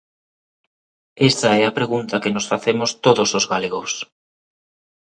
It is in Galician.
Esa é a pregunta que nos facemos todos os galegos.